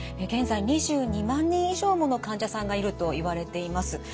現在２２万人以上もの患者さんがいるといわれています。